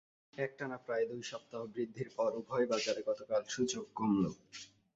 একটানা প্রায় দুই সপ্তাহ বৃদ্ধির পর উভয় বাজারে গতকাল সূচক কমল।